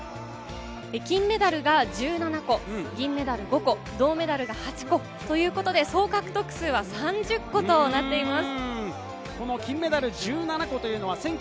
金メダルが１７個、銀メダル５個、銅メダルが８個ということで、総獲得数は３０個となっています。